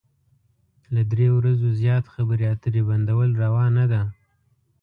له درې ورځو زيات خبرې اترې بندول روا نه ده.